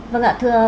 vâng ạ thưa bác sĩ